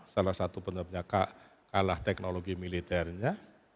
salah satu penyebabnya kalah teknologi militernya